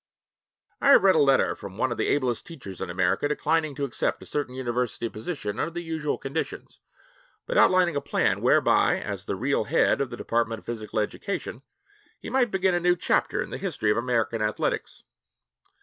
I have read a letter from one of the ablest teachers in America, declining to accept a certain university position under the usual conditions, but outlining a plan whereby, as the real head of the department of physical education, he might begin a new chapter in the history of American athletics.